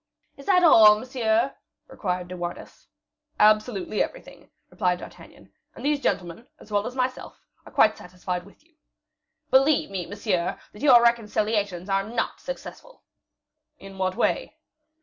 "Is that all, monsieur?" inquired De Wardes. "Absolutely everything," replied D'Artagnan; "and these gentlemen, as well as myself, are quite satisfied with you." "Believe me, monsieur, that your reconciliations are not successful." "In what way?"